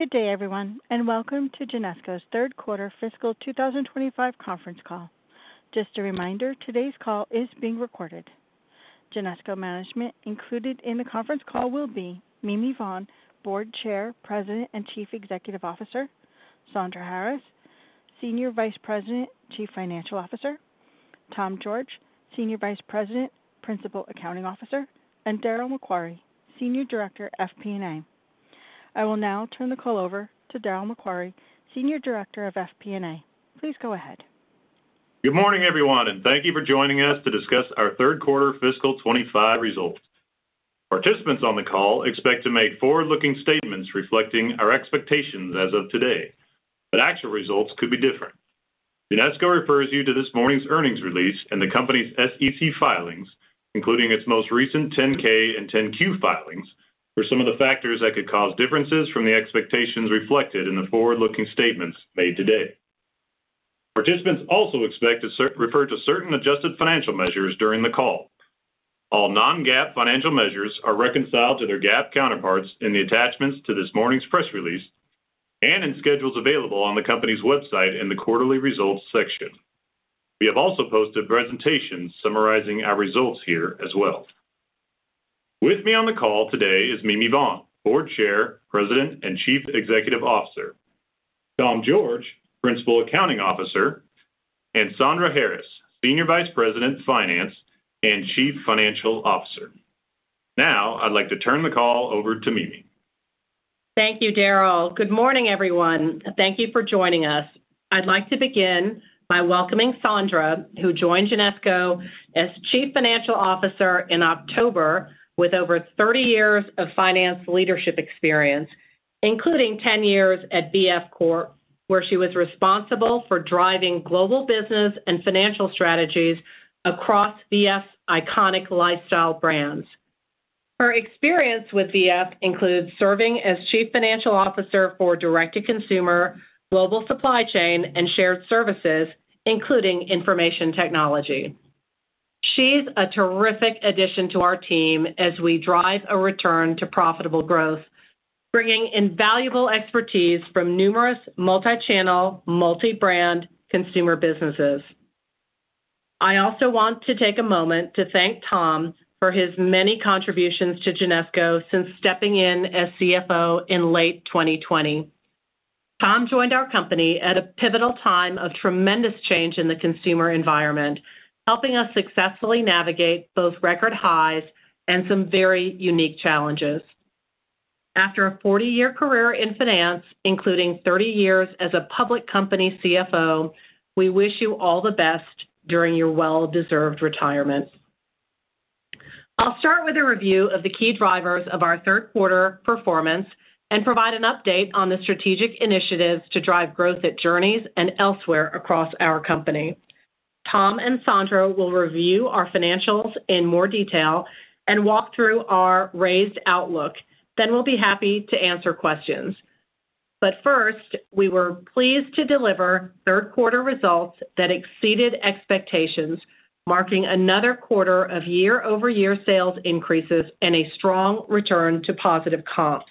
Good day, everyone, and welcome to Genesco's third quarter fiscal 2025 conference call. Just a reminder, today's call is being recorded. Genesco management included in the conference call will be Mimi Vaughn, Board Chair, President and Chief Executive Officer, Sandra Harris, Senior Vice President, Chief Financial Officer, Tom George, Senior Vice President, Principal Accounting Officer, and Darryl MacQuarrie, Senior Director, FP&A. I will now turn the call over to Darryl MacQuarrie, Senior Director of FP&A. Please go ahead. Good morning, everyone, and thank you for joining us to discuss our third quarter fiscal 2025 results. Participants on the call expect to make forward-looking statements reflecting our expectations as of today, but actual results could be different. Genesco refers you to this morning's earnings release and the company's SEC filings, including its most recent 10-K and 10-Q filings, for some of the factors that could cause differences from the expectations reflected in the forward-looking statements made today. Participants also expect to refer to certain adjusted financial measures during the call. All non-GAAP financial measures are reconciled to their GAAP counterparts in the attachments to this morning's press release and in schedules available on the company's website in the quarterly results section. We have also posted presentations summarizing our results here as well. With me on the call today is Mimi Vaughn, Board Chair, President, and Chief Executive Officer, Tom George, Principal Accounting Officer, and Sandra Harris, Senior Vice President, Finance, and Chief Financial Officer. Now, I'd like to turn the call over to Mimi. Thank you, Darryl. Good morning, everyone. Thank you for joining us. I'd like to begin by welcoming Sandra, who joined Genesco as Chief Financial Officer in October with over 30 years of finance leadership experience, including 10 years at VF Corp, where she was responsible for driving global business and financial strategies across VF's iconic lifestyle brands. Her experience with BF includes serving as Chief Financial Officer for direct-to-consumer, global supply chain, and shared services, including information technology. She's a terrific addition to our team as we drive a return to profitable growth, bringing invaluable expertise from numerous multi-channel, multi-brand consumer businesses. I also want to take a moment to thank Tom for his many contributions to Genesco since stepping in as CFO in late 2020. Tom joined our company at a pivotal time of tremendous change in the consumer environment, helping us successfully navigate both record highs and some very unique challenges. After a 40-year career in finance, including 30 years as a public company CFO, we wish you all the best during your well-deserved retirement. I'll start with a review of the key drivers of our third quarter performance and provide an update on the strategic initiatives to drive growth at Journeys and elsewhere across our company. Tom and Sandra will review our financials in more detail and walk through our raised outlook, then we'll be happy to answer questions. But first, we were pleased to deliver third quarter results that exceeded expectations, marking another quarter of year-over-year sales increases and a strong return to positive comps.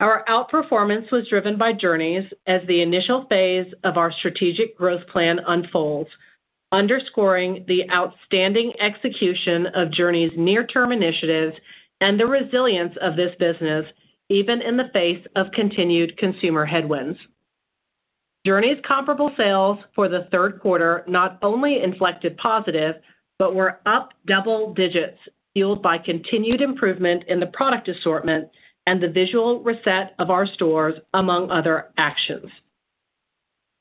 Our outperformance was driven by Journeys as the initial phase of our strategic growth plan unfolds, underscoring the outstanding execution of Journeys' near-term initiatives and the resilience of this business, even in the face of continued consumer headwinds. Journeys' comparable sales for the third quarter not only inflected positive but were up double digits, fueled by continued improvement in the product assortment and the visual reset of our stores, among other actions.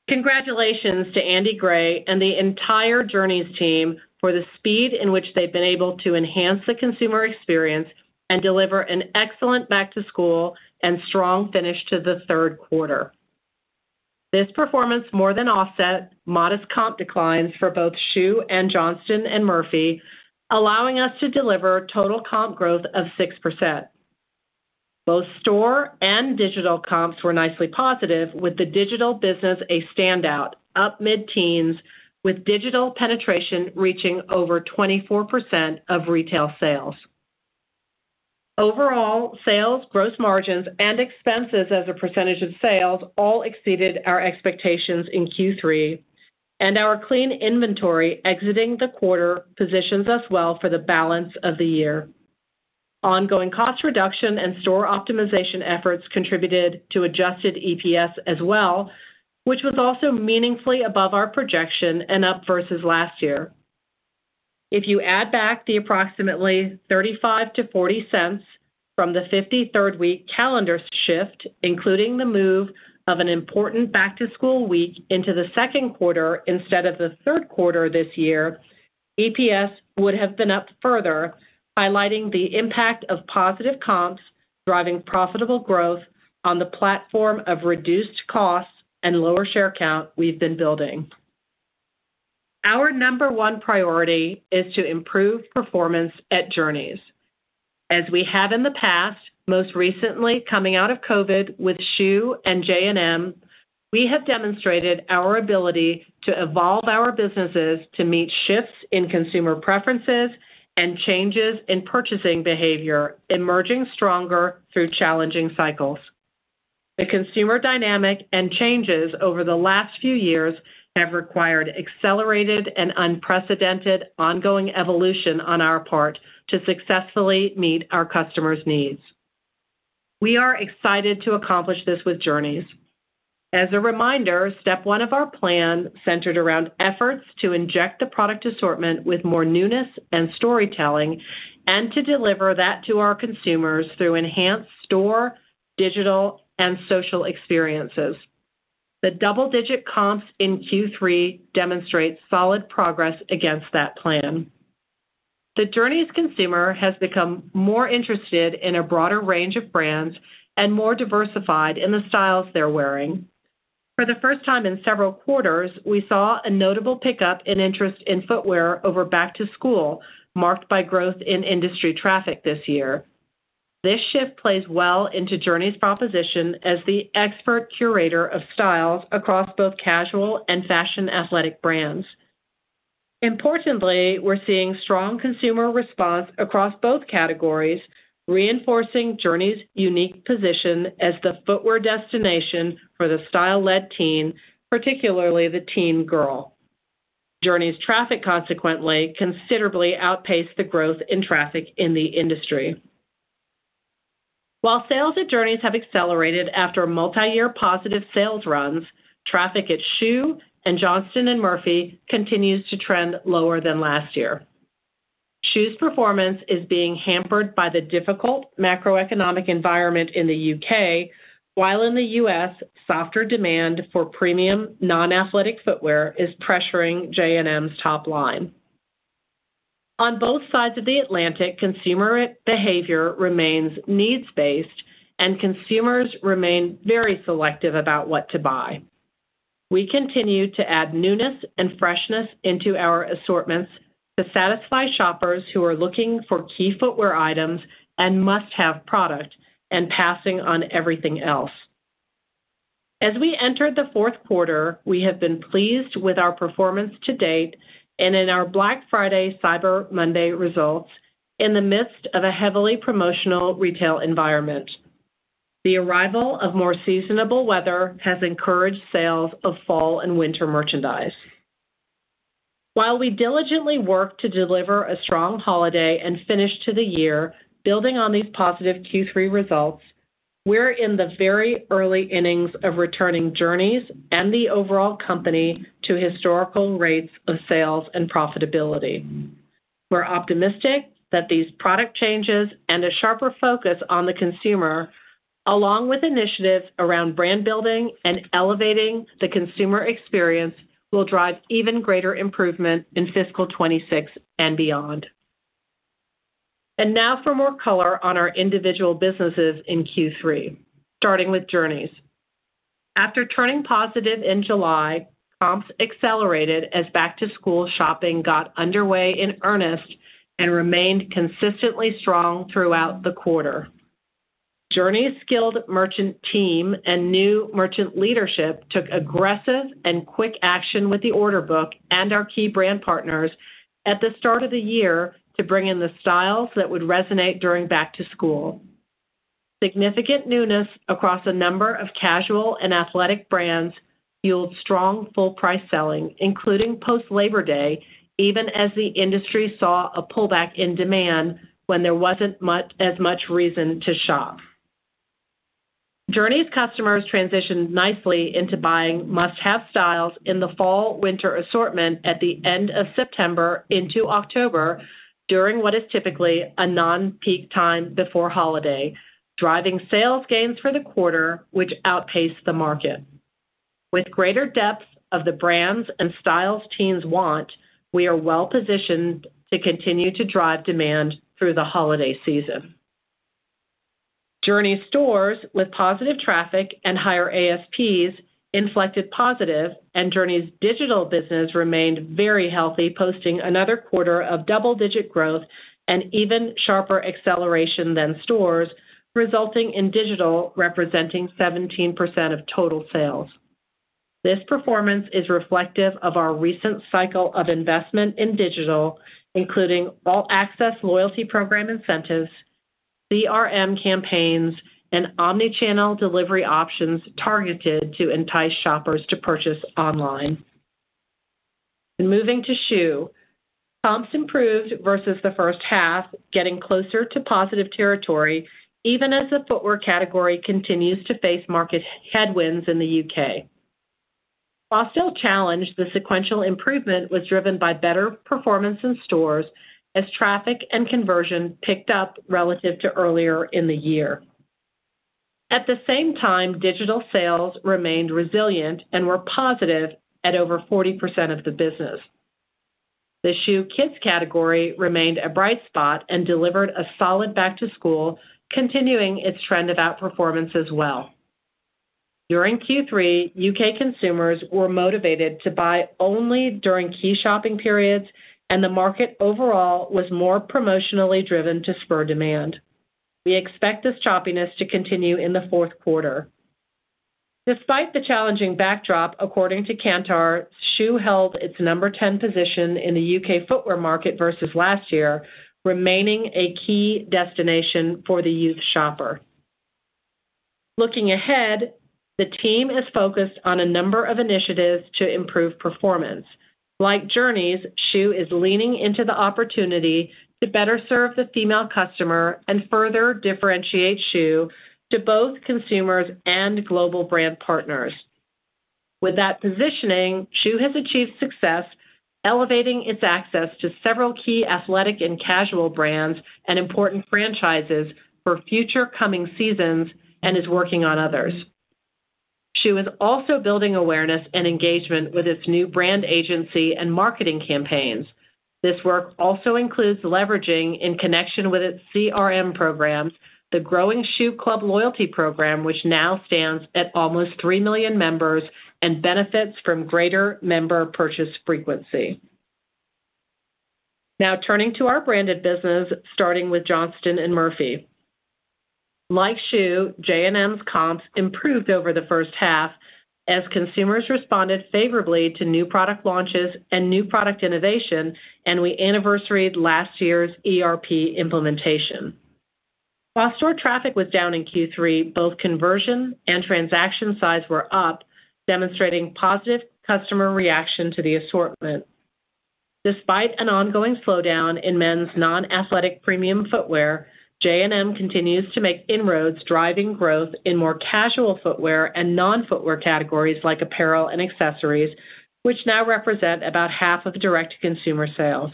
Congratulations to Andy Gray and the entire Journeys team for the speed in which they've been able to enhance the consumer experience and deliver an excellent Back-to-School and strong finish to the third quarter. This performance more than offset modest comp declines for both Schuh and Johnston & Murphy, allowing us to deliver total comp growth of 6%. Both store and digital comps were nicely positive, with the digital business a standout, up mid-teens, with digital penetration reaching over 24% of retail sales. Overall, sales, gross margins, and expenses as a percentage of sales all exceeded our expectations in Q3, and our clean inventory exiting the quarter positions us well for the balance of the year. Ongoing cost reduction and store optimization efforts contributed to adjusted EPS as well, which was also meaningfully above our projection and up versus last year. If you add back the approximately $0.35-$0.40 from the 53rd week calendar shift, including the move of an important Back-to-School week into the second quarter instead of the third quarter this year, EPS would have been up further, highlighting the impact of positive comps driving profitable growth on the platform of reduced costs and lower share count we've been building. Our number one priority is to improve performance at Journeys. As we have in the past, most recently coming out of COVID with Schuh and J&M, we have demonstrated our ability to evolve our businesses to meet shifts in consumer preferences and changes in purchasing behavior, emerging stronger through challenging cycles. The consumer dynamic and changes over the last few years have required accelerated and unprecedented ongoing evolution on our part to successfully meet our customers' needs. We are excited to accomplish this with Journeys. As a reminder, step one of our plan centered around efforts to inject the product assortment with more newness and storytelling and to deliver that to our consumers through enhanced store, digital, and social experiences. The double-digit comps in Q3 demonstrate solid progress against that plan. The Journeys consumer has become more interested in a broader range of brands and more diversified in the styles they're wearing. For the first time in several quarters, we saw a notable pickup in interest in footwear over Back-to-School, marked by growth in industry traffic this year. This shift plays well into Journeys' proposition as the expert curator of styles across both casual and fashion athletic brands. Importantly, we're seeing strong consumer response across both categories, reinforcing Journeys' unique position as the footwear destination for the style-led teen, particularly the teen girl. Journeys' traffic, consequently, considerably outpaced the growth in traffic in the industry. While sales at Journeys have accelerated after multi-year positive sales runs, traffic at Schuh and Johnston & Murphy continues to trend lower than last year. Schuh's performance is being hampered by the difficult macroeconomic environment in the U.K., while in the U.S., softer demand for premium non-athletic footwear is pressuring J&M's top line. On both sides of the Atlantic, consumer behavior remains needs-based, and consumers remain very selective about what to buy. We continue to add newness and freshness into our assortments to satisfy shoppers who are looking for key footwear items and must-have product, and passing on everything else. As we enter the fourth quarter, we have been pleased with our performance to date and in our Black Friday Cyber Monday results in the midst of a heavily promotional retail environment. The arrival of more seasonable weather has encouraged sales of fall and winter merchandise. While we diligently work to deliver a strong holiday and finish to the year, building on these positive Q3 results, we're in the very early innings of returning Journeys and the overall company to historical rates of sales and profitability. We're optimistic that these product changes and a sharper focus on the consumer, along with initiatives around brand building and elevating the consumer experience, will drive even greater improvement in fiscal 26 and beyond. And now for more color on our individual businesses in Q3, starting with Journeys. After turning positive in July, comps accelerated as back-to-school shopping got underway in earnest and remained consistently strong throughout the quarter. Journeys' skilled merchant team and new merchant leadership took aggressive and quick action with the order book and our key brand partners at the start of the year to bring in the styles that would resonate during back-to-school. Significant newness across a number of casual and athletic brands fueled strong full-price selling, including post-Labor Day, even as the industry saw a pullback in demand when there wasn't as much reason to shop. Journeys' customers transitioned nicely into buying must-have styles in the fall/winter assortment at the end of September into October during what is typically a non-peak time before holiday, driving sales gains for the quarter, which outpaced the market. With greater depth of the brands and styles teens want, we are well-positioned to continue to drive demand through the holiday season. Journeys' stores, with positive traffic and higher ASPs, inflected positive, and Journeys' digital business remained very healthy, posting another quarter of double-digit growth and even sharper acceleration than stores, resulting in digital representing 17% of total sales. This performance is reflective of our recent cycle of investment in digital, including All-Access loyalty program incentives, CRM campaigns, and omnichannel delivery options targeted to entice shoppers to purchase online. Moving to Schuh, comps improved versus the first half, getting closer to positive territory, even as the footwear category continues to face market headwinds in the U.K. While still challenged, the sequential improvement was driven by better performance in stores as traffic and conversion picked up relative to earlier in the year. At the same time, digital sales remained resilient and were positive at over 40% of the business. The Schuh Kids category remained a bright spot and delivered a solid Back-to-School, continuing its trend of outperformance as well. During Q3, U.K. consumers were motivated to buy only during key shopping periods, and the market overall was more promotionally driven to spur demand. We expect this choppiness to continue in the fourth quarter. Despite the challenging backdrop, according to Kantar, Schuh held its number 10 position in the U.K. footwear market versus last year, remaining a key destination for the youth shopper. Looking ahead, the team is focused on a number of initiatives to improve performance. Like Journeys, Schuh is leaning into the opportunity to better serve the female customer and further differentiate Schuh to both consumers and global brand partners. With that positioning, Schuh has achieved success, elevating its access to several key athletic and casual brands and important franchises for future coming seasons and is working on others. Schuh is also building awareness and engagement with its new brand agency and marketing campaigns. This work also includes leveraging, in connection with its CRM programs, the growing Schuh Club Loyalty Program, which now stands at almost three million members and benefits from greater member purchase frequency. Now turning to our branded business, starting with Johnston & Murphy. Like Schuh, J&M's comps improved over the first half as consumers responded favorably to new product launches and new product innovation, and we anniversaried last year's ERP implementation. While store traffic was down in Q3, both conversion and transaction size were up, demonstrating positive customer reaction to the assortment. Despite an ongoing slowdown in men's non-athletic premium footwear, J&M continues to make inroads, driving growth in more casual footwear and non-footwear categories like apparel and accessories, which now represent about half of direct consumer sales.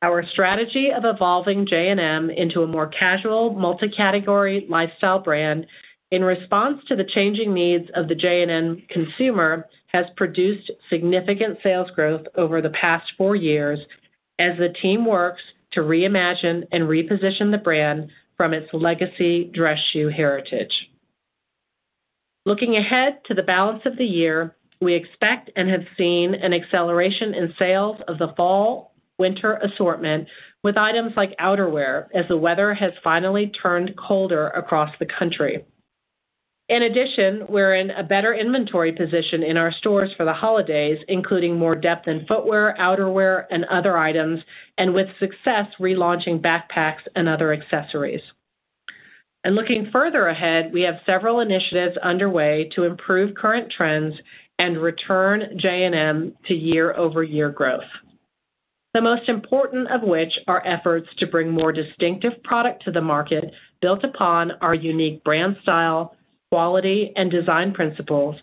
Our strategy of evolving J&M into a more casual, multi-category lifestyle brand in response to the changing needs of the J&M consumer has produced significant sales growth over the past four years as the team works to reimagine and reposition the brand from its legacy dress Schuh heritage. Looking ahead to the balance of the year, we expect and have seen an acceleration in sales of the fall/winter assortment with items like outerwear as the weather has finally turned colder across the country. In addition, we're in a better inventory position in our stores for the holidays, including more depth in footwear, outerwear, and other items, and with success relaunching backpacks and other accessories. And looking further ahead, we have several initiatives underway to improve current trends and return J&M to year-over-year growth, the most important of which are efforts to bring more distinctive product to the market built upon our unique brand style, quality, and design principles,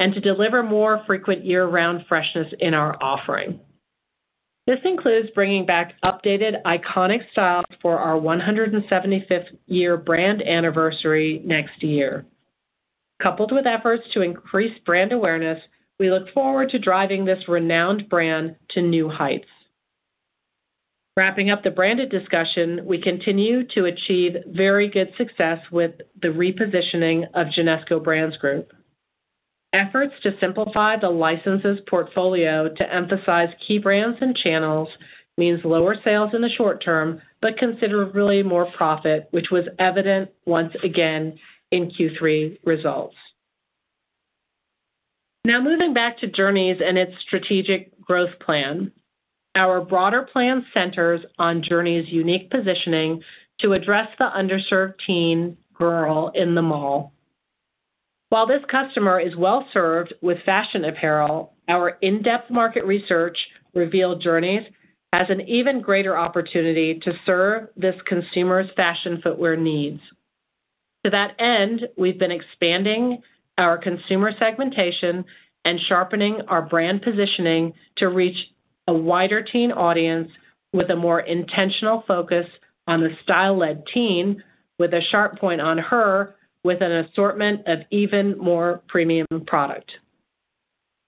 and to deliver more frequent year-round freshness in our offering. This includes bringing back updated iconic styles for our 175th year brand anniversary next year. Coupled with efforts to increase brand awareness, we look forward to driving this renowned brand to new heights. Wrapping up the branded discussion, we continue to achieve very good success with the repositioning of Genesco Brands Group. Efforts to simplify the licenses portfolio to emphasize key brands and channels means lower sales in the short term but considerably more profit, which was evident once again in Q3 results. Now moving back to Journeys and its strategic growth plan, our broader plan centers on Journeys' unique positioning to address the underserved teen girl in the mall. While this customer is well-served with fashion apparel, our in-depth market research revealed Journeys has an even greater opportunity to serve this consumer's fashion footwear needs. To that end, we've been expanding our consumer segmentation and sharpening our brand positioning to reach a wider teen audience with a more intentional focus on the style-led teen, with a sharp point on her with an assortment of even more premium product.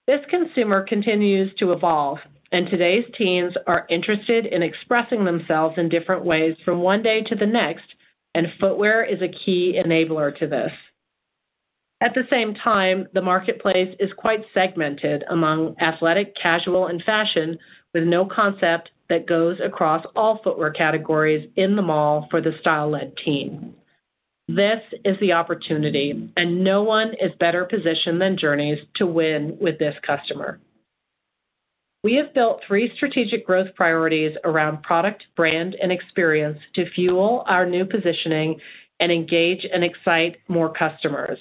This consumer continues to evolve, and today's teens are interested in expressing themselves in different ways from one day to the next, and footwear is a key enabler to this. At the same time, the marketplace is quite segmented among athletic, casual, and fashion, with no concept that goes across all footwear categories in the mall for the style-led teen. This is the opportunity, and no one is better positioned than Journeys to win with this customer. We have built three strategic growth priorities around product, brand, and experience to fuel our new positioning and engage and excite more customers.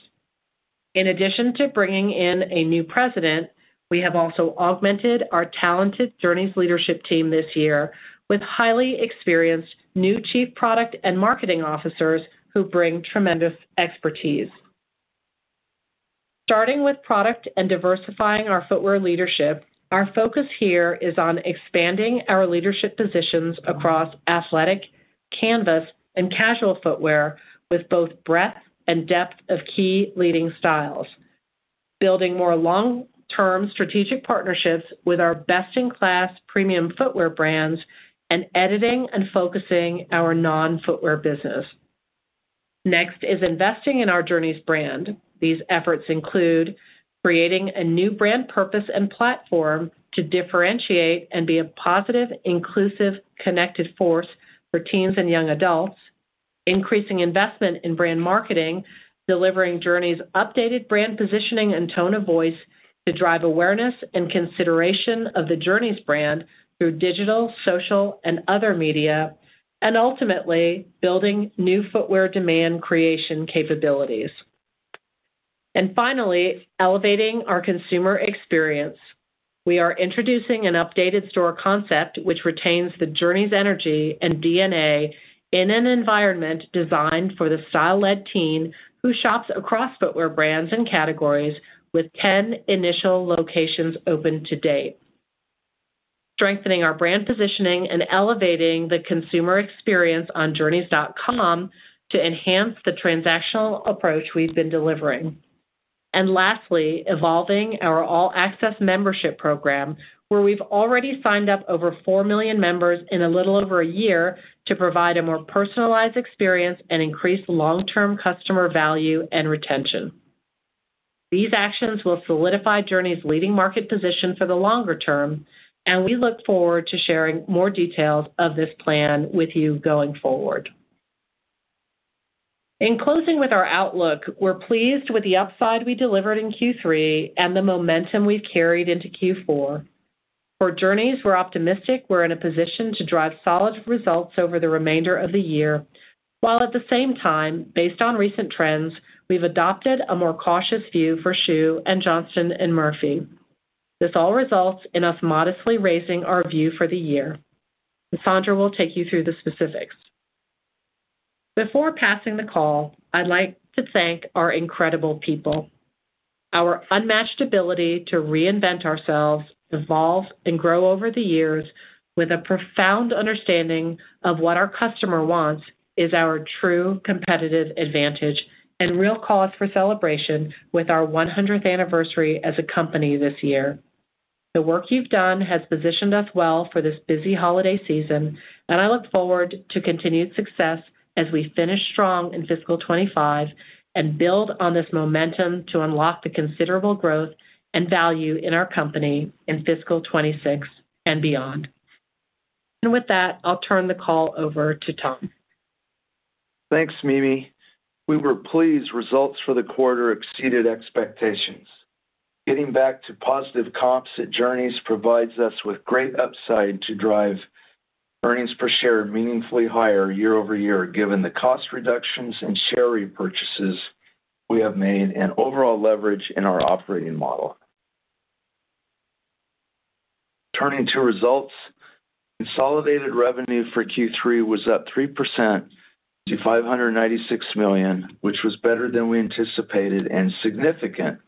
In addition to bringing in a new president, we have also augmented our talented Journeys leadership team this year with highly experienced new chief product and marketing officers who bring tremendous expertise. Starting with product and diversifying our footwear leadership, our focus here is on expanding our leadership positions across athletic, canvas, and casual footwear with both breadth and depth of key leading styles, building more long-term strategic partnerships with our best-in-class premium footwear brands, and editing and focusing our non-footwear business. Next is investing in our Journeys brand. These efforts include creating a new brand purpose and platform to differentiate and be a positive, inclusive, connected force for teens and young adults, increasing investment in brand marketing, delivering Journeys' updated brand positioning and tone of voice to drive awareness and consideration of the Journeys brand through digital, social, and other media, and ultimately building new footwear demand creation capabilities. Finally, elevating our consumer experience. We are introducing an updated store concept which retains the Journeys energy and DNA in an environment designed for the style-led teen who shops across footwear brands and categories with 10 initial locations open to date, strengthening our brand positioning and elevating the consumer experience on Journeys.com to enhance the transactional approach we've been delivering, and lastly, evolving our All-Access membership program where we've already signed up over four million members in a little over a year to provide a more personalized experience and increase long-term customer value and retention. These actions will solidify Journeys' leading market position for the longer term, and we look forward to sharing more details of this plan with you going forward. In closing with our outlook, we're pleased with the upside we delivered in Q3 and the momentum we've carried into Q4. For Journeys, we're optimistic we're in a position to drive solid results over the remainder of the year, while at the same time, based on recent trends, we've adopted a more cautious view for Schuh and Johnston & Murphy. This all results in us modestly raising our view for the year. Sandra will take you through the specifics. Before passing the call, I'd like to thank our incredible people. Our unmatched ability to reinvent ourselves, evolve, and grow over the years with a profound understanding of what our customer wants is our true competitive advantage and real cause for celebration with our 100th anniversary as a company this year. The work you've done has positioned us well for this busy holiday season, and I look forward to continued success as we finish strong in Fiscal 2025 and build on this momentum to unlock the considerable growth and value in our company in Fiscal 2026 and beyond. And with that, I'll turn the call over to Tom. Thanks, Mimi. We were pleased. Results for the quarter exceeded expectations. Getting back to positive comps at Journeys provides us with great upside to drive earnings per share meaningfully higher year-over-year given the cost reductions and share repurchases we have made and overall leverage in our operating model. Turning to results, consolidated revenue for Q3 was up 3% to $596 million, which was better than we anticipated and significant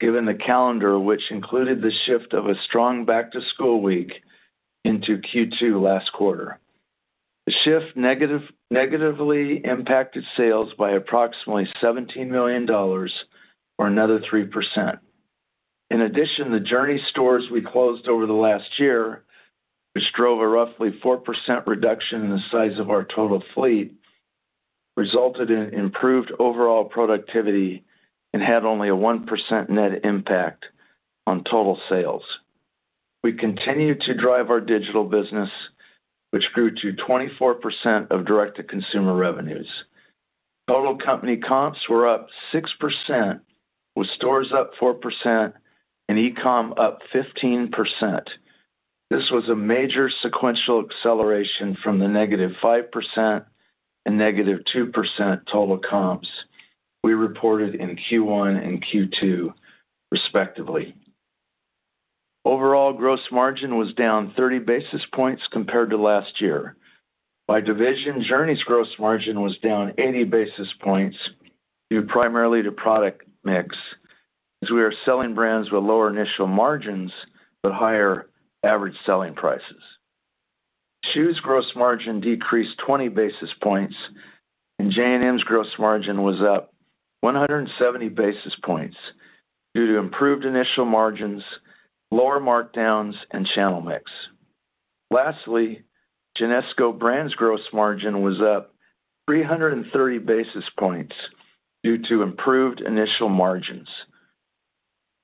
given the calendar, which included the shift of a strong back-to-school week into Q2 last quarter. The shift negatively impacted sales by approximately $17 million or another 3%. In addition, the Journeys stores we closed over the last year, which drove a roughly 4% reduction in the size of our total fleet, resulted in improved overall productivity and had only a 1% net impact on total sales. We continued to drive our digital business, which grew to 24% of direct-to-consumer revenues. Total company comps were up 6%, with stores up 4% and e-com up 15%. This was a major sequential acceleration from the negative 5% and negative 2% total comps we reported in Q1 and Q2, respectively. Overall gross margin was down 30 basis points compared to last year. By division, Journeys' gross margin was down 80 basis points due primarily to product mix as we are selling brands with lower initial margins but higher average selling prices. Schuh's gross margin decreased 20 basis points, and J&M's gross margin was up 170 basis points due to improved initial margins, lower markdowns, and channel mix. Lastly, Genesco Brands' gross margin was up 330 basis points due to improved initial margins.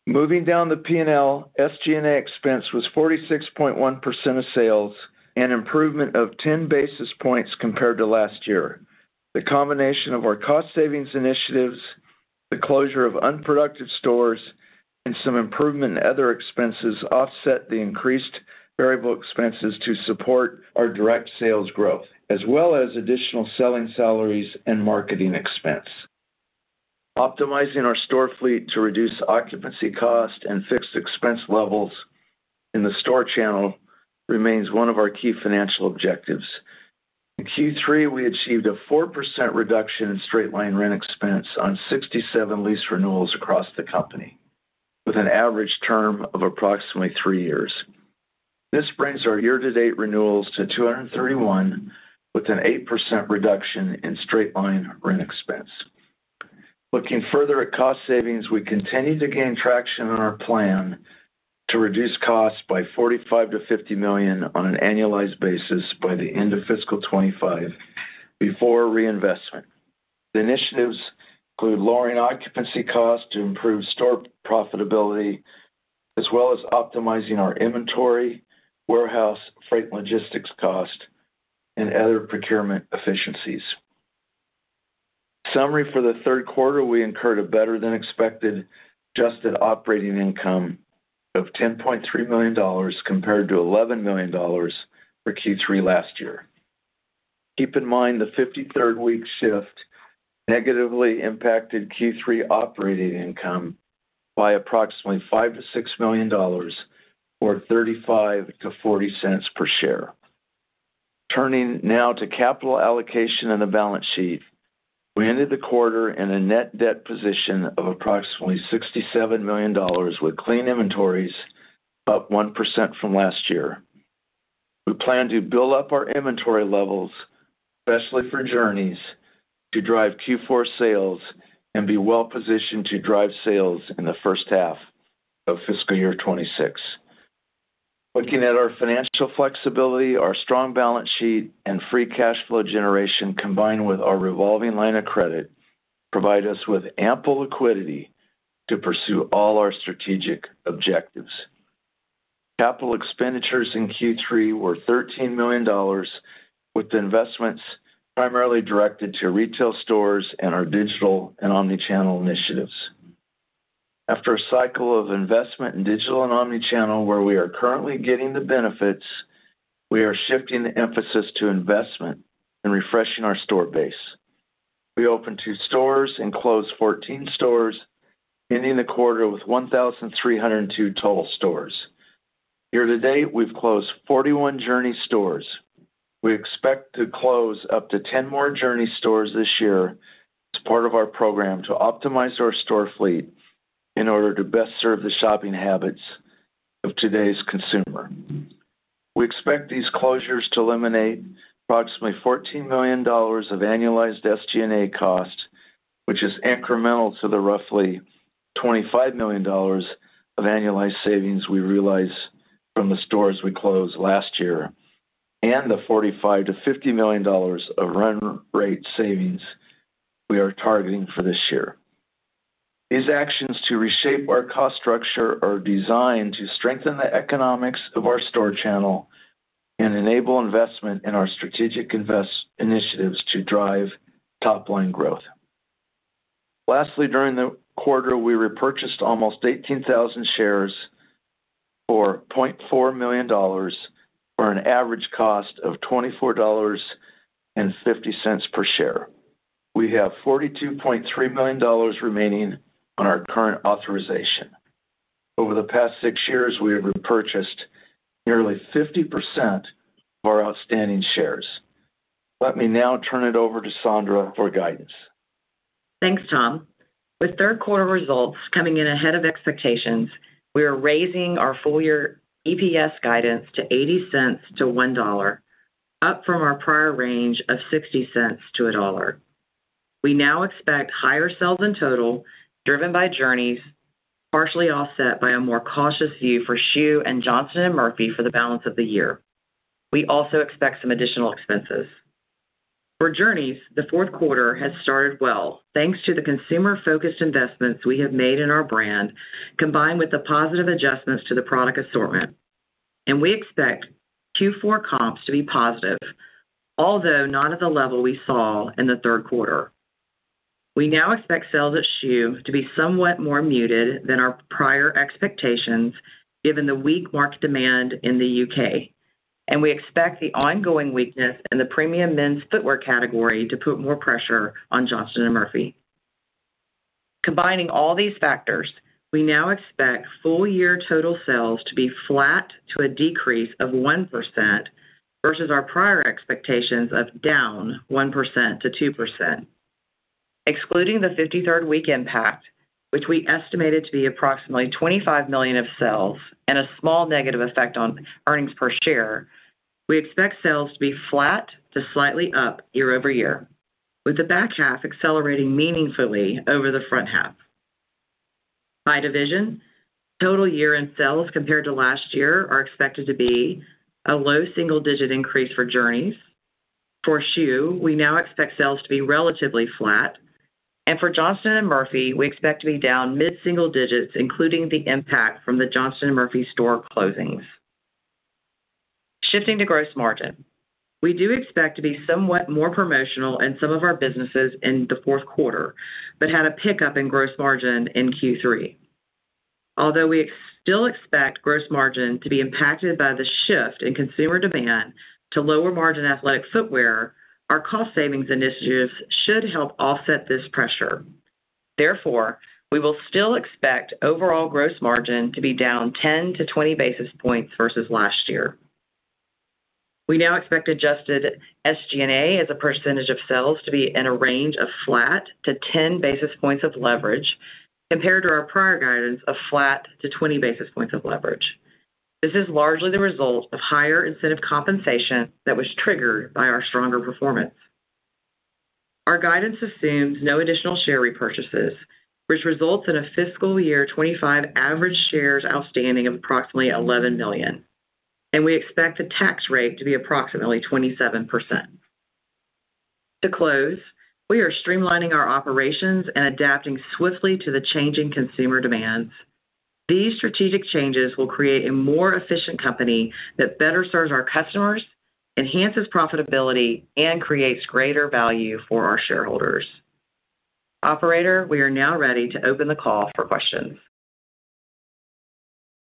Moving down the P&L, SG&A expense was 46.1% of sales and improvement of 10 basis points compared to last year. The combination of our cost savings initiatives, the closure of unproductive stores, and some improvement in other expenses offset the increased variable expenses to support our direct sales growth, as well as additional selling salaries and marketing expense. Optimizing our store fleet to reduce occupancy cost and fixed expense levels in the store channel remains one of our key financial objectives. In Q3, we achieved a 4% reduction in straight-line rent expense on 67 lease renewals across the company with an average term of approximately three years. This brings our year-to-date renewals to 231 with an 8% reduction in straight-line rent expense. Looking further at cost savings, we continue to gain traction on our plan to reduce costs by $45 million-$50 million on an annualized basis by the end of Fiscal 2025 before reinvestment. The initiatives include lowering occupancy costs to improve store profitability, as well as optimizing our inventory, warehouse, freight logistics cost, and other procurement efficiencies. Summary for the third quarter, we incurred a better-than-expected adjusted operating income of $10.3 million compared to $11 million for Q3 last year. Keep in mind the 53rd week shift negatively impacted Q3 operating income by approximately $5 million-$6 million or $0.35-$0.40 cents per share. Turning now to capital allocation and the balance sheet, we ended the quarter in a net debt position of approximately $67 million with clean inventories up 1% from last year. We plan to build up our inventory levels, especially for Journeys, to drive Q4 sales and be well-positioned to drive sales in the first half of fiscal year 26. Looking at our financial flexibility, our strong balance sheet and free cash flow generation combined with our revolving line of credit provide us with ample liquidity to pursue all our strategic objectives. Capital expenditures in Q3 were $13 million, with investments primarily directed to retail stores and our digital and omnichannel initiatives. After a cycle of investment in digital and omnichannel where we are currently getting the benefits, we are shifting the emphasis to investment and refreshing our store base. We opened two stores and closed 14 stores, ending the quarter with 1,302 total stores. Year-to-date, we've closed 41 Journeys stores. We expect to close up to 10 more Journeys stores this year as part of our program to optimize our store fleet in order to best serve the shopping habits of today's consumer. We expect these closures to eliminate approximately $14 million of annualized SG&A cost, which is incremental to the roughly $25 million of annualized savings we realized from the stores we closed last year and the $45 million-$50 million of run rate savings we are targeting for this year. These actions to reshape our cost structure are designed to strengthen the economics of our store channel and enable investment in our strategic investment initiatives to drive top-line growth. Lastly, during the quarter, we repurchased almost 18,000 shares for $0.4 million for an average cost of $24.50 per share. We have $42.3 million remaining on our current authorization. Over the past six years, we have repurchased nearly 50% of our outstanding shares. Let me now turn it over to Sandra for guidance. Thanks, Tom. With third quarter results coming in ahead of expectations, we are raising our full-year EPS guidance to $0.80-$1.00, up from our prior range of $0.60-$1.00. We now expect higher sales in total driven by Journeys, partially offset by a more cautious view for Shoe and Johnston & Murphy for the balance of the year. We also expect some additional expenses. For Journeys, the fourth quarter has started well thanks to the consumer-focused investments we have made in our brand combined with the positive adjustments to the product assortment, and we expect Q4 comps to be positive, although not at the level we saw in the third quarter. We now expect sales at Schuh to be somewhat more muted than our prior expectations given the weak market demand in the U.K. We expect the ongoing weakness in the premium men's footwear category to put more pressure on Johnston & Murphy. Combining all these factors, we now expect full-year total sales to be flat to a decrease of 1% versus our prior expectations of down 1%-2%. Excluding the 53rd week impact, which we estimated to be approximately $25 million of sales and a small negative effect on earnings per share, we expect sales to be flat to slightly up year-over-year, with the back half accelerating meaningfully over the front half. By division, total year-end sales compared to last year are expected to be a low single-digit increase for Journeys. For Schuh, we now expect sales to be relatively flat. For Johnston & Murphy, we expect to be down mid-single digits, including the impact from the Johnston & Murphy store closings. Shifting to gross margin, we do expect to be somewhat more promotional in some of our businesses in the fourth quarter but had a pickup in gross margin in Q3. Although we still expect gross margin to be impacted by the shift in consumer demand to lower-margin athletic footwear, our cost savings initiatives should help offset this pressure. Therefore, we will still expect overall gross margin to be down 10-20 basis points versus last year. We now expect adjusted SG&A as a percentage of sales to be in a range of flat to 10 basis points of leverage compared to our prior guidance of flat to 20 basis points of leverage. This is largely the result of higher incentive compensation that was triggered by our stronger performance. Our guidance assumes no additional share repurchases, which results in a Fiscal 2025 average shares outstanding of approximately 11 million. We expect the tax rate to be approximately 27%. To close, we are streamlining our operations and adapting swiftly to the changing consumer demands. These strategic changes will create a more efficient company that better serves our customers, enhances profitability, and creates greater value for our shareholders. Operator, we are now ready to open the call for questions.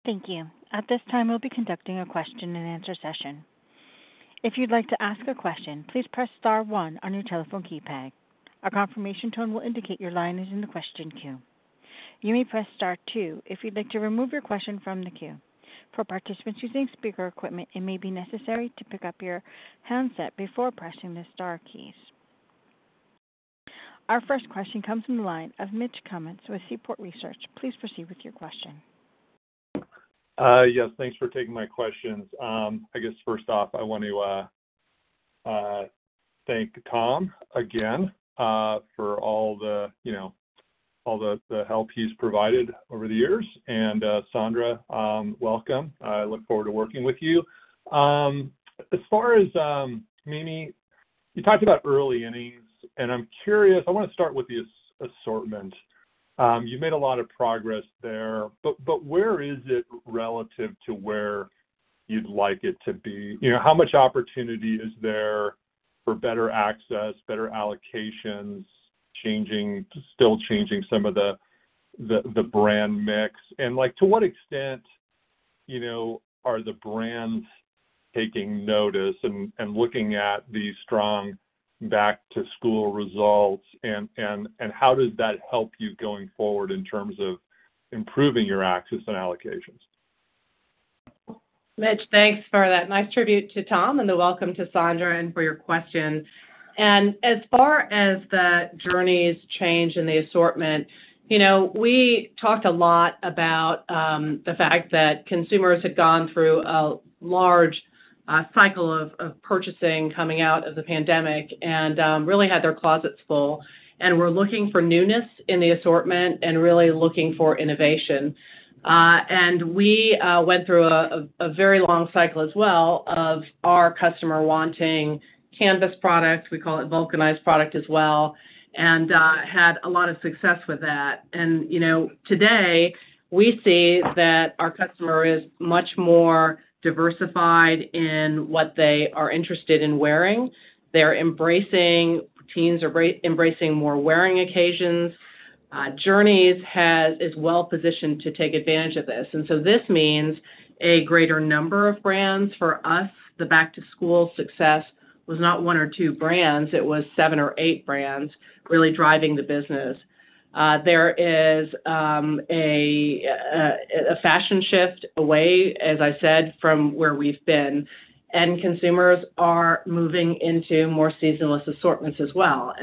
Thank you. At this time, we'll be conducting a question-and-answer session. If you'd like to ask a question, please press star one on your telephone keypad. A confirmation tone will indicate your line is in the question queue. You may press star two if you'd like to remove your question from the queue. For participants using speaker equipment, it may be necessary to pick up your handset before pressing the star keys. Our first question comes from the line of Mitch Kummetz with Seaport Research. Please proceed with your question. Yes. Thanks for taking my questions. I guess, first off, I want to thank Tom again for all the help he's provided over the years. And, Sandra, welcome. I look forward to working with you. As far as Mimi, you talked about early innings, and I'm curious. I want to start with the assortment. You've made a lot of progress there. But where is it relative to where you'd like it to be? How much opportunity is there for better access, better allocations, still changing some of the brand mix? And to what extent are the brands taking notice and looking at these strong back-to-school results? And how does that help you going forward in terms of improving your access and allocations? Mitch, thanks for that nice tribute to Tom and the welcome to Sandra and for your question. And as far as the Journeys change in the assortment, we talked a lot about the fact that consumers had gone through a large cycle of purchasing coming out of the pandemic and really had their closets full. And we're looking for newness in the assortment and really looking for innovation. And we went through a very long cycle as well of our customer wanting canvas products. We call it vulcanized product as well and had a lot of success with that. And today, we see that our customer is much more diversified in what they are interested in wearing. Teens are embracing more wearing occasions. Journeys is well-positioned to take advantage of this. This means a greater number of brands. For us, the Back-to-School success was not one or two brands. It was seven or eight brands really driving the business. There is a fashion shift away, as I said, from where we've been. Consumers are moving into more seasonless assortments as well.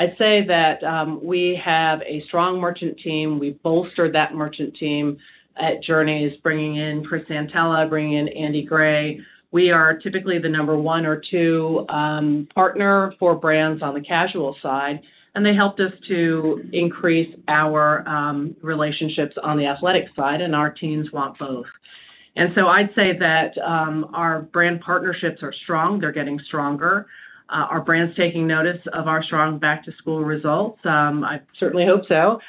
I'd say that we have a strong merchant team. We bolstered that merchant team at Journeys, bringing in Chris Santaella, bringing in Andy Gray. We are typically the number one or two partner for brands on the casual side. They helped us to increase our relationships on the athletic side. Our teens want both. I'd say that our brand partnerships are strong. They're getting stronger. Our brand's taking notice of our strong Back-to-School results. I certainly hope so.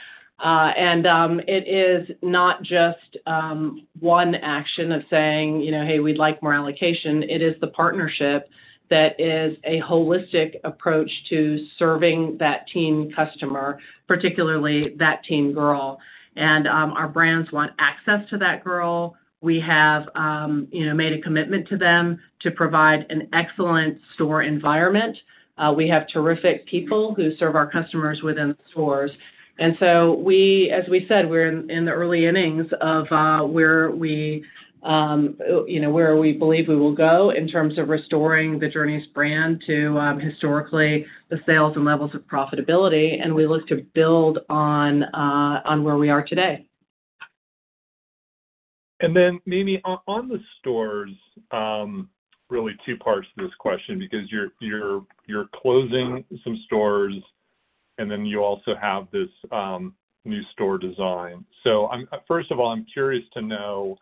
And it is not just one action of saying, "Hey, we'd like more allocation." It is the partnership that is a holistic approach to serving that teen customer, particularly that teen girl. And our brands want access to that girl. We have made a commitment to them to provide an excellent store environment. We have terrific people who serve our customers within the stores. And so, as we said, we're in the early innings of where we believe we will go in terms of restoring the Journeys brand to historically the sales and levels of profitability. And we look to build on where we are today. And then, Mimi, on the stores, really two parts to this question because you're closing some stores, and then you also have this new store design. So first of all, I'm curious to know,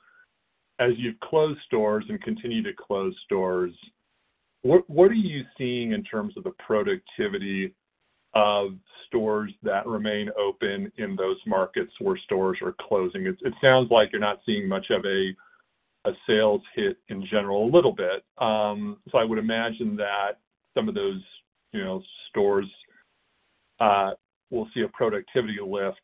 as you've closed stores and continue to close stores, what are you seeing in terms of the productivity of stores that remain open in those markets where stores are closing? It sounds like you're not seeing much of a sales hit in general, a little bit. So I would imagine that some of those stores will see a productivity lift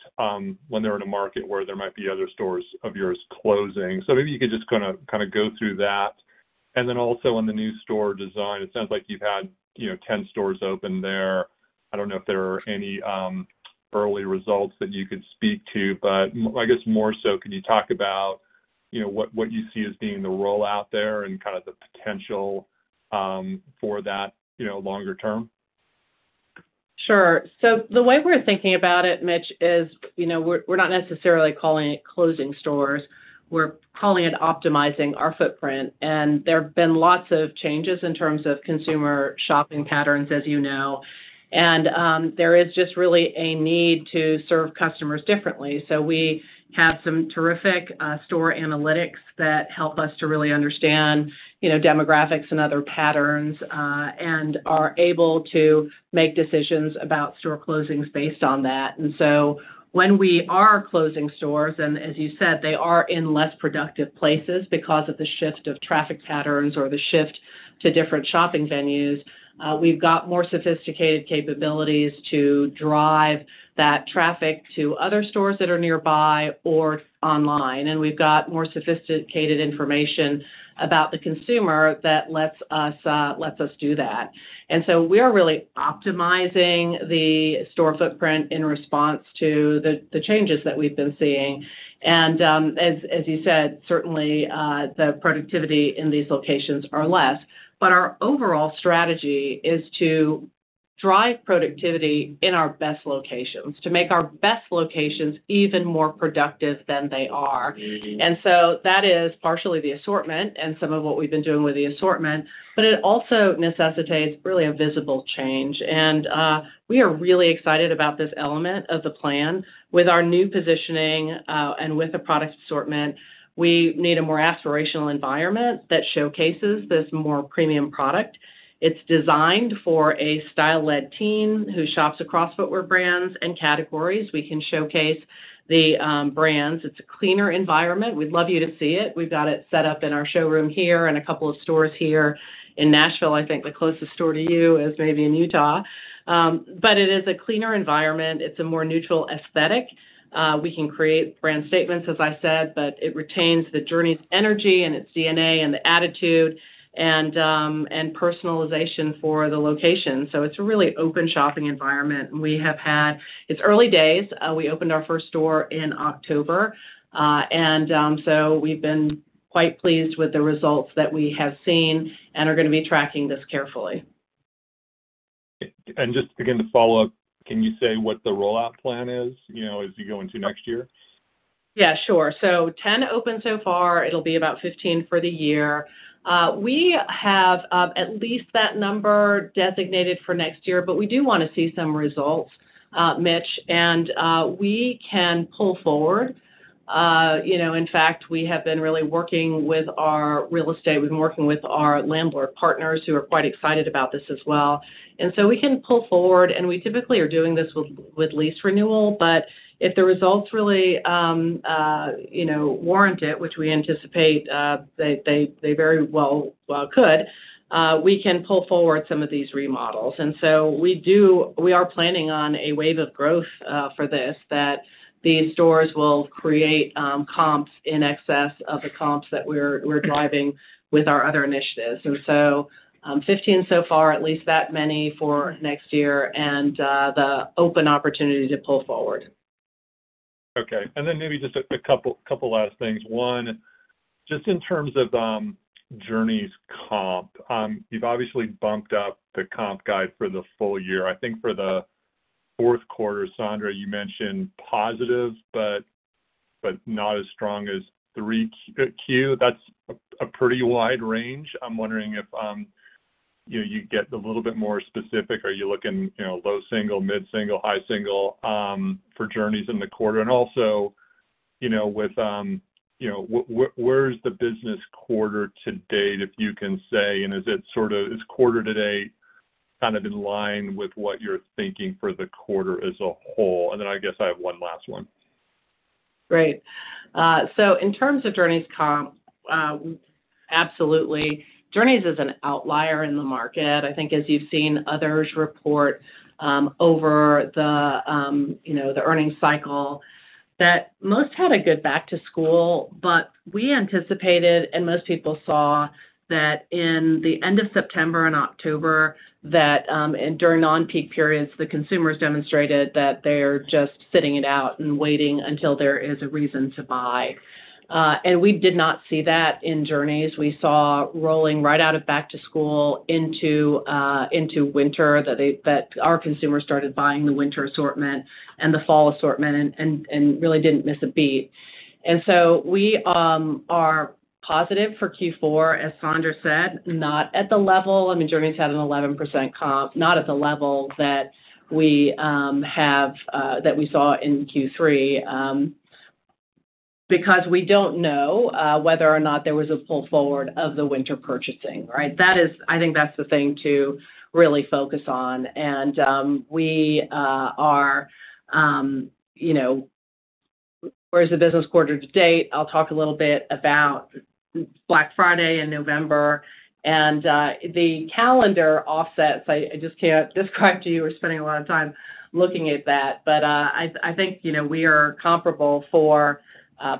when they're in a market where there might be other stores of yours closing. So maybe you could just kind of go through that. And then also on the new store design, it sounds like you've had 10 stores open there. I don't know if there are any early results that you could speak to. But I guess more so, can you talk about what you see as being the rollout there and kind of the potential for that longer term? Sure. So the way we're thinking about it, Mitch, is we're not necessarily calling it closing stores. We're calling it optimizing our footprint. And there have been lots of changes in terms of consumer shopping patterns, as you know. And there is just really a need to serve customers differently. So we have some terrific store analytics that help us to really understand demographics and other patterns and are able to make decisions about store closings based on that. And so when we are closing stores, and as you said, they are in less productive places because of the shift of traffic patterns or the shift to different shopping venues, we've got more sophisticated capabilities to drive that traffic to other stores that are nearby or online. And we've got more sophisticated information about the consumer that lets us do that. And so we are really optimizing the store footprint in response to the changes that we've been seeing. And as you said, certainly, the productivity in these locations is less. But our overall strategy is to drive productivity in our best locations, to make our best locations even more productive than they are. And so that is partially the assortment and some of what we've been doing with the assortment. But it also necessitates really a visible change. And we are really excited about this element of the plan. With our new positioning and with the product assortment, we need a more aspirational environment that showcases this more premium product. It's designed for a style-led teen who shops across footwear brands and categories. We can showcase the brands. It's a cleaner environment. We'd love you to see it. We've got it set up in our showroom here and a couple of stores here in Nashville. I think the closest store to you is maybe in Utah. But it is a cleaner environment. It's a more neutral aesthetic. We can create brand statements, as I said, but it retains the Journeys energy and its DNA and the attitude and personalization for the location. So it's a really open shopping environment. It's in its early days. We opened our first store in October. And so we've been quite pleased with the results that we have seen and are going to be tracking this carefully. And just again, to follow up, can you say what the rollout plan is as you go into next year? Yeah, sure. So 10 open so far. It'll be about 15 for the year. We have at least that number designated for next year, but we do want to see some results, Mitch, and we can pull forward. In fact, we have been really working with our real estate. We've been working with our landlord partners who are quite excited about this as well, and so we can pull forward, and we typically are doing this with lease renewal. But if the results really warrant it, which we anticipate they very well could, we can pull forward some of these remodels, and so we are planning on a wave of growth for this that these stores will create comps in excess of the comps that we're driving with our other initiatives, and so 15 so far, at least that many for next year and the open opportunity to pull forward. Okay, and then maybe just a couple last things. One, just in terms of Journeys comp, you've obviously bumped up the comp guide for the full year. I think for the fourth quarter, Sandra, you mentioned positive, but not as strong as Q. That's a pretty wide range. I'm wondering if you get a little bit more specific. Are you looking low single, mid single, high single for Journeys in the quarter? And also, where's the business quarter to date if you can say? And is it sort of quarter to date kind of in line with what you're thinking for the quarter as a whole? And then I guess I have one last one. Right. So in terms of Journeys comp, absolutely. Journeys is an outlier in the market. I think as you've seen others report over the earnings cycle that most had a good back-to-school. But we anticipated, and most people saw that in the end of September and October, that during non-peak periods, the consumers demonstrated that they're just sitting it out and waiting until there is a reason to buy. And we did not see that in Journeys. We saw rolling right out of Back-to-School into winter that our consumers started buying the winter assortment and the fall assortment and really didn't miss a beat. And so we are positive for Q4, as Sandra said, not at the level I mean, Journeys had an 11% comp, not at the level that we have that we saw in Q3 because we don't know whether or not there was a pull forward of the winter purchasing, right? I think that's the thing to really focus on. And we are. Where's the business quarter to date? I'll talk a little bit about Black Friday in November. And the calendar offsets, I just can't describe to you. We're spending a lot of time looking at that. But I think we are comparable for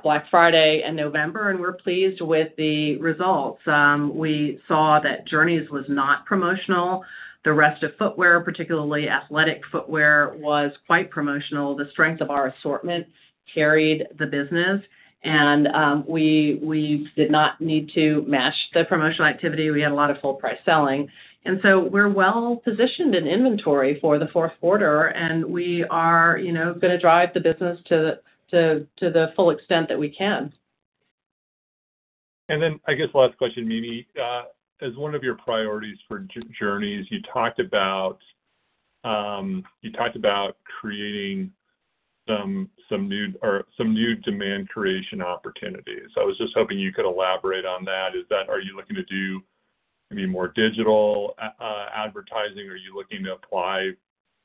Black Friday and November, and we're pleased with the results. We saw that Journeys was not promotional. The rest of footwear, particularly athletic footwear, was quite promotional. The strength of our assortment carried the business. And we did not need to match the promotional activity. We had a lot of full-price selling. And so we're well-positioned in inventory for the fourth quarter, and we are going to drive the business to the full extent that we can. And then I guess last question, Mimi. As one of your priorities for Journeys, you talked about creating some new demand creation opportunities. I was just hoping you could elaborate on that. Are you looking to do maybe more digital advertising? Are you looking to apply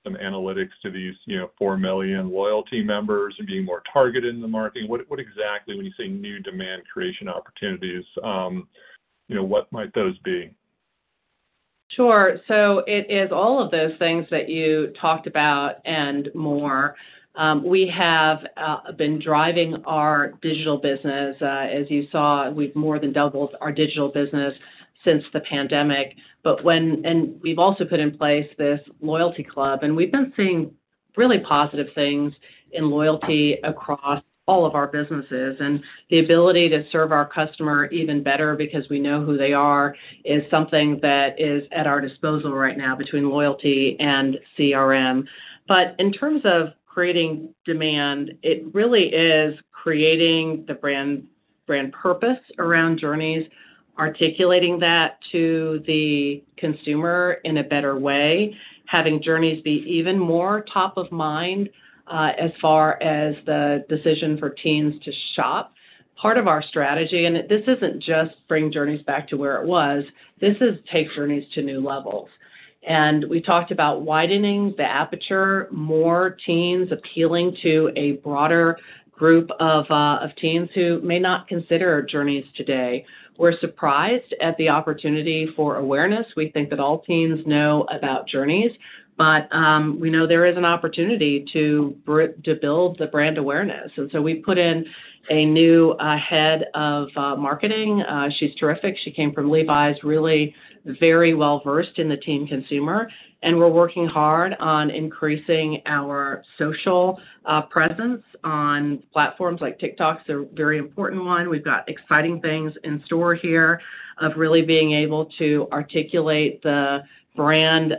some analytics to these four million loyalty members and being more targeted in the marketing? What exactly, when you say new demand creation opportunities, what might those be? Sure. So it is all of those things that you talked about and more. We have been driving our digital business. As you saw, we've more than doubled our digital business since the pandemic. And we've also put in place this loyalty club. And we've been seeing really positive things in loyalty across all of our businesses. And the ability to serve our customer even better because we know who they are is something that is at our disposal right now between loyalty and CRM. But in terms of creating demand, it really is creating the brand purpose around Journeys, articulating that to the consumer in a better way, having Journeys be even more top of mind as far as the decision for teens to shop. Part of our strategy, and this isn't just bring Journeys back to where it was, this is take Journeys to new levels. And we talked about widening the aperture, more teens appealing to a broader group of teens who may not consider Journeys today. We're surprised at the opportunity for awareness. We think that all teens know about Journeys. But we know there is an opportunity to build the brand awareness. And so we put in a new head of marketing. She's terrific. She came from Levi's, really very well-versed in the teen consumer. And we're working hard on increasing our social presence on platforms like TikTok. It's a very important one. We've got exciting things in store here of really being able to articulate the brand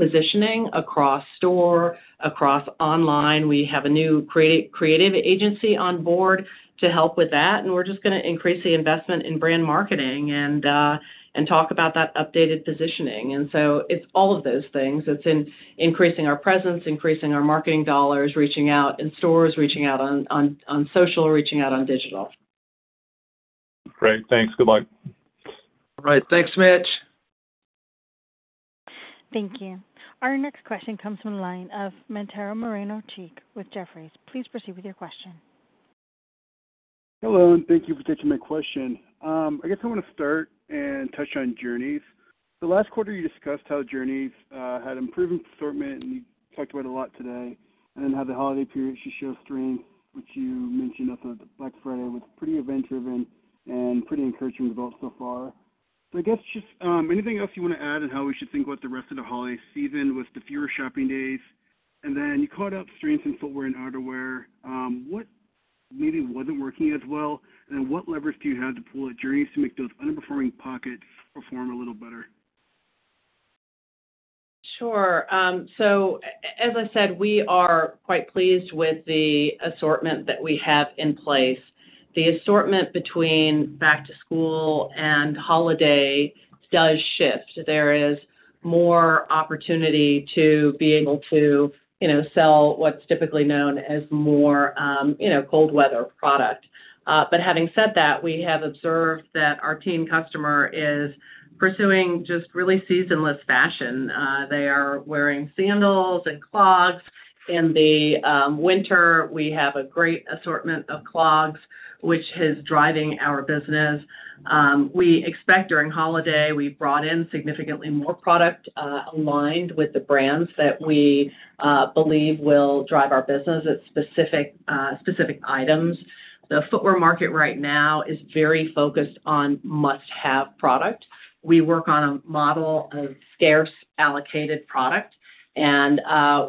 positioning across store, across online. We have a new creative agency on board to help with that. And we're just going to increase the investment in brand marketing and talk about that updated positioning. And so it's all of those things. It's in increasing our presence, increasing our marketing dollars, reaching out in stores, reaching out on social, reaching out on digital. Great. Thanks. Good luck. All right. Thanks, Mitch. Thank you. Our next question comes from the line of Mantero Moreno-Cheek with Jefferies. Please proceed with your question. Hello, and thank you for taking my question. I guess I want to start and touch on Journeys. The last quarter, you discussed how Journeys had improved assortment, and you talked about it a lot today. And then had the holiday period, she showed strength, which you mentioned of the Black Friday was pretty event-driven and pretty encouraging results so far. So I guess just anything else you want to add on how we should think about the rest of the holiday season with the fewer shopping days? And then you called out strengths in footwear and outerwear. What maybe wasn't working as well? And what levers do you have to pull at Journeys to make those underperforming pockets perform a little better? Sure. So as I said, we are quite pleased with the assortment that we have in place. The assortment between Back-to-School and holiday does shift. There is more opportunity to be able to sell what's typically known as more cold-weather product. But having said that, we have observed that our teen customer is pursuing just really seasonless fashion. They are wearing sandals and clogs. In the winter, we have a great assortment of clogs, which is driving our business. We expect during holiday, we brought in significantly more product aligned with the brands that we believe will drive our business. It's specific items. The footwear market right now is very focused on must-have product. We work on a model of scarce allocated product. And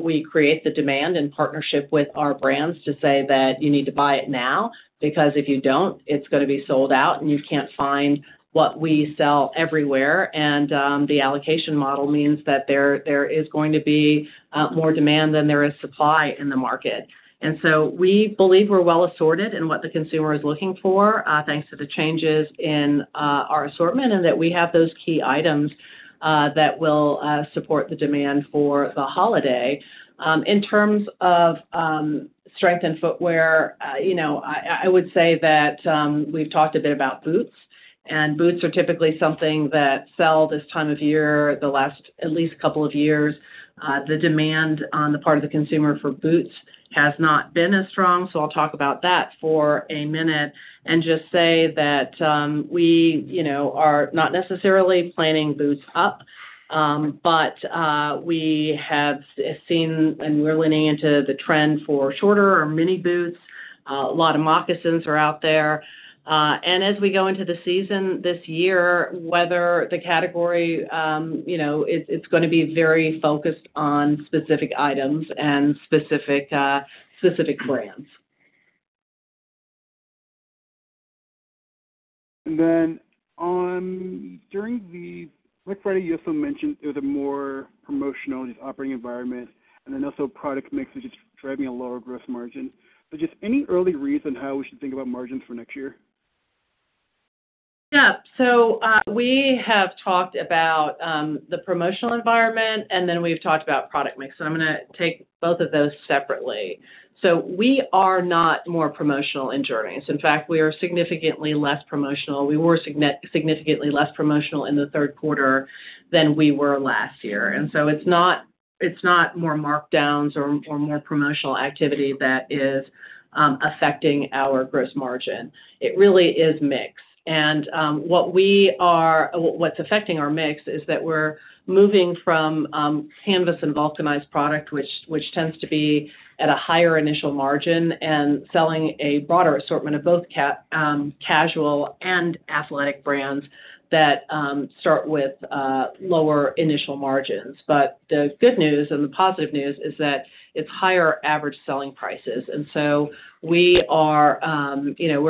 we create the demand in partnership with our brands to say that you need to buy it now because if you don't, it's going to be sold out and you can't find what we sell everywhere. And the allocation model means that there is going to be more demand than there is supply in the market. We believe we're well assorted in what the consumer is looking for thanks to the changes in our assortment and that we have those key items that will support the demand for the holiday. In terms of strength in footwear, I would say that we've talked a bit about boots. Boots are typically something that sell this time of year, the last at least couple of years. The demand on the part of the consumer for boots has not been as strong. I'll talk about that for a minute and just say that we are not necessarily planning boots up, but we have seen and we're leaning into the trend for shorter or mini boots. A lot of moccasins are out there. As we go into the season this year, with the category, it's going to be very focused on specific items and specific brands. And then during the Black Friday, you also mentioned it was a more promotional, just operating environment. And then also product mix is just driving a lower gross margin. But just any early reason how we should think about margins for next year? Yeah. So we have talked about the promotional environment, and then we've talked about product mix. And I'm going to take both of those separately. So we are not more promotional in Journeys. In fact, we are significantly less promotional. We were significantly less promotional in the third quarter than we were last year. And so it's not more markdowns or more promotional activity that is affecting our gross margin. It really is mix. And what's affecting our mix is that we're moving from canvas and vulcanized product, which tends to be at a higher initial margin and selling a broader assortment of both casual and athletic brands that start with lower initial margins. But the good news and the positive news is that it's higher average selling prices. And so we are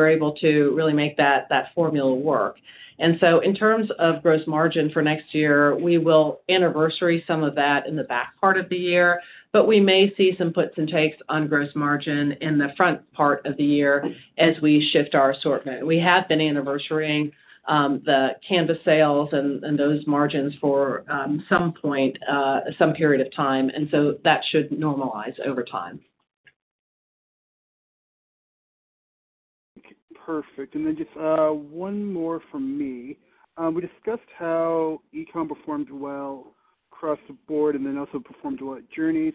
able to really make that formula work. And so in terms of gross margin for next year, we will anniversary some of that in the back part of the year. But we may see some puts and takes on gross margin in the front part of the year as we shift our assortment. We have been anniversarying the canvas sales and those margins for some period of time. And so that should normalize over time. Perfect. And then just one more from me. We discussed how e-com performed well across the board and then also performed well at Journeys.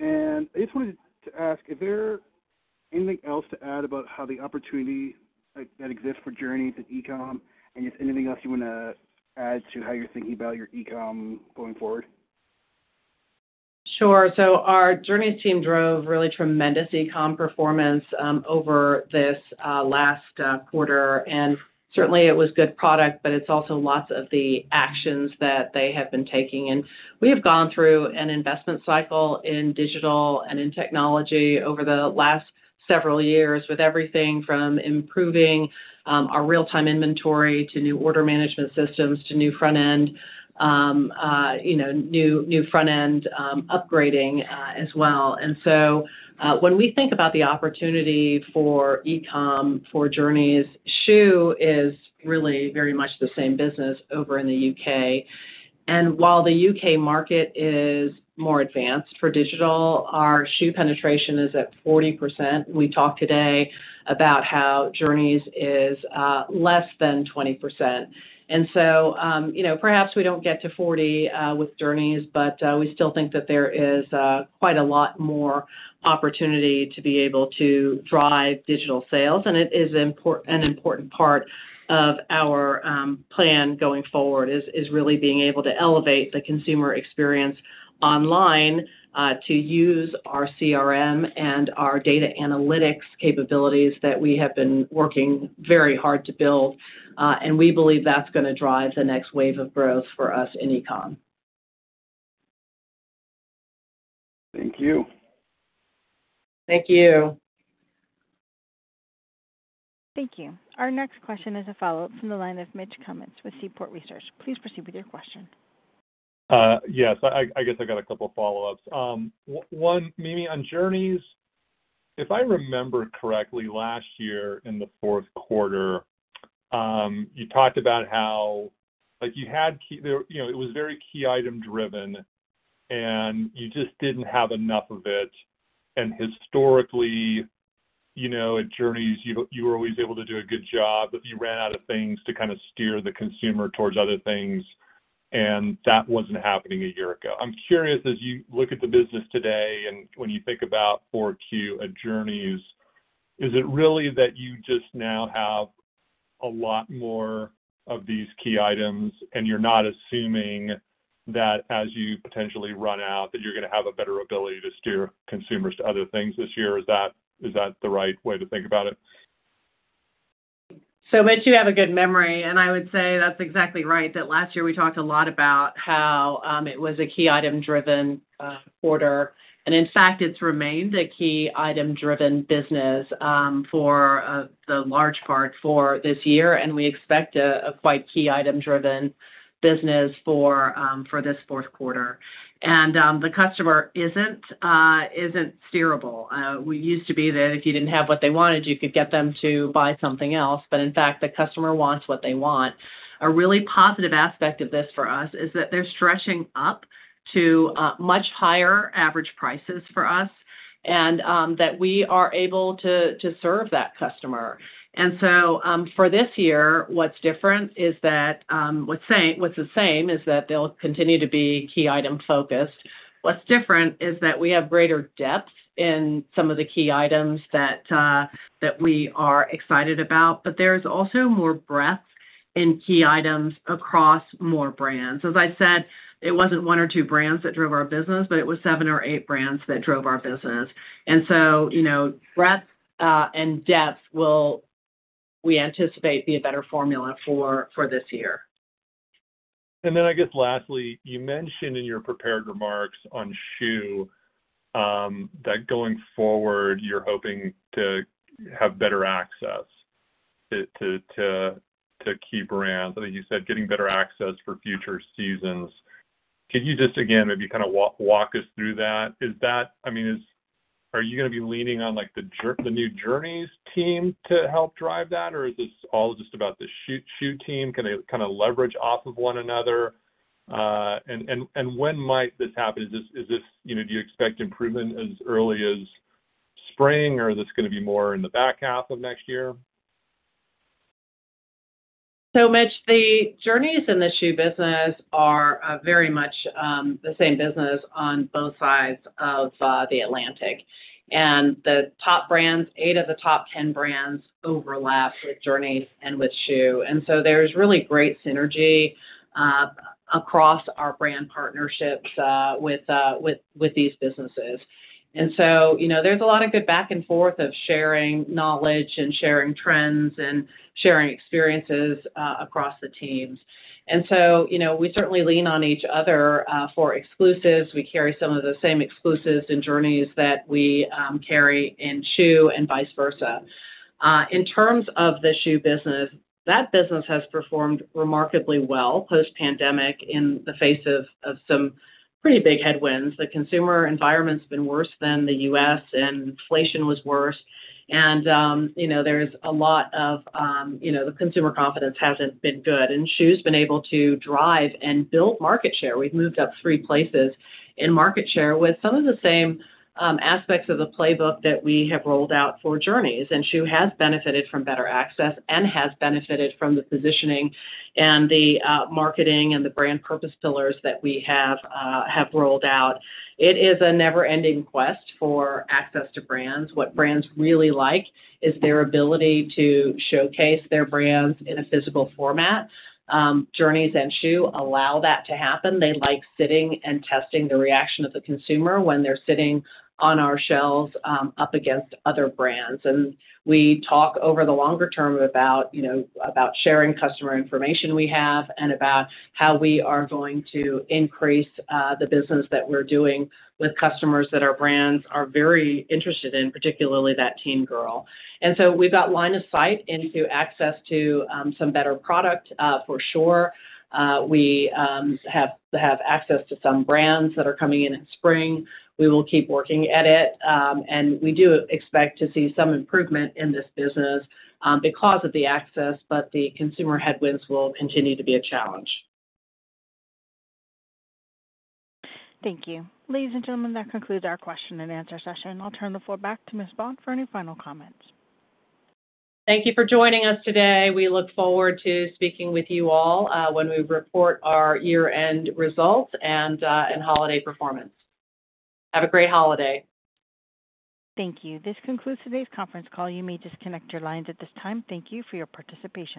I just wanted to ask, is there anything else to add about how the opportunity that exists for Journeys and e-com and just anything else you want to add to how you're thinking about your e-com going forward? Sure. Our Journeys team drove really tremendous e-com performance over this last quarter. Certainly, it was good product, but it's also lots of the actions that they have been taking. We have gone through an investment cycle in digital and in technology over the last several years with everything from improving our real-time inventory to new order management systems to new front-end, new front-end upgrading as well. When we think about the opportunity for e-com for Journeys, Schuh is really very much the same business over in the U.K. While the U.K. market is more advanced for digital, our Schuh penetration is at 40%. We talked today about how Journeys is less than 20%. And so perhaps we don't get to 40 with Journeys, but we still think that there is quite a lot more opportunity to be able to drive digital sales. And it is an important part of our plan going forward is really being able to elevate the consumer experience online to use our CRM and our data analytics capabilities that we have been working very hard to build. And we believe that's going to drive the next wave of growth for us in e-com. Thank you. Thank you. Thank you. Our next question is a follow-up from the line of Mitch Kummetz with Seaport Research. Please proceed with your question. Yes. I guess I got a couple of follow-ups. One, Mimi, on Journeys, if I remember correctly, last year in the fourth quarter, you talked about how you had. It was very key item-driven, and you just didn't have enough of it. And historically, at Journeys, you were always able to do a good job, but you ran out of things to kind of steer the consumer towards other things. And that wasn't happening a year ago. I'm curious, as you look at the business today and when you think about 4Q at Journeys, is it really that you just now have a lot more of these key items and you're not assuming that as you potentially run out, that you're going to have a better ability to steer consumers to other things this year? Is that the right way to think about it? So Mitch, you have a good memory. I would say that's exactly right that last year we talked a lot about how it was a key item-driven order. In fact, it's remained a key item-driven business for the most part for this year. We expect quite a key item-driven business for this fourth quarter. The customer isn't steerable. We used to be that if you didn't have what they wanted, you could get them to buy something else. But in fact, the customer wants what they want. A really positive aspect of this for us is that they're stretching up to much higher average prices for us and that we are able to serve that customer. For this year, what's different is that what's the same is that they'll continue to be key item-focused. What's different is that we have greater depth in some of the key items that we are excited about. But there's also more breadth in key items across more brands. As I said, it wasn't one or two brands that drove our business, but it was seven or eight brands that drove our business. And so breadth and depth will we anticipate be a better formula for this year. And then I guess lastly, you mentioned in your prepared remarks on Schuh that going forward, you're hoping to have better access to key brands. I think you said getting better access for future seasons. Could you just, again, maybe kind of walk us through that? I mean, are you going to be leaning on the new Journeys team to help drive that, or is this all just about the Schuh team? Can they kind of leverage off of one another? And when might this happen? Do you expect improvement as early as spring, or is this going to be more in the back half of next year? So Mitch, the Journeys and the Schuh business are very much the same business on both sides of the Atlantic. And the top brands, eight of the top 10 brands overlap with Journeys and with Schuh. And so there's really great synergy across our brand partnerships with these businesses. And so there's a lot of good back and forth of sharing knowledge and sharing trends and sharing experiences across the teams. And so we certainly lean on each other for exclusives. We carry some of the same exclusives in Journeys that we carry in Schuh and vice versa. In terms of the Schuh business, that business has performed remarkably well post-pandemic in the face of some pretty big headwinds. The consumer environment's been worse than the U.S., and inflation was worse. And there's a lot of the consumer confidence hasn't been good. And Schuh's been able to drive and build market share. We've moved up three places in market share with some of the same aspects of the playbook that we have rolled out for Journeys. And Schuh has benefited from better access and has benefited from the positioning and the marketing and the brand purpose pillars that we have rolled out. It is a never-ending quest for access to brands. What brands really like is their ability to showcase their brands in a physical format. Journeys and Schuh allow that to happen. They like sitting and testing the reaction of the consumer when they're sitting on our shelves up against other brands. We talk over the longer term about sharing customer information we have and about how we are going to increase the business that we're doing with customers that our brands are very interested in, particularly that teen girl. And so we've got line of sight into access to some better product for sure. We have access to some brands that are coming in in spring. We will keep working at it. And we do expect to see some improvement in this business because of the access, but the consumer headwinds will continue to be a challenge. Thank you. Ladies and gentlemen, that concludes our question and answer session. I'll turn the floor back to Ms. Vaughn for any final comments. Thank you for joining us today. We look forward to speaking with you all when we report our year-end results and holiday performance. Have a great holiday. Thank you. This concludes today's conference call. You may disconnect your lines at this time. Thank you for your participation.